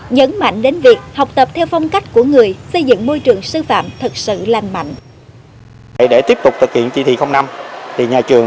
nhấn mạnh đến việc học tập theo phong cách của người xây dựng môi trường sư phạm thật sự lành mạnh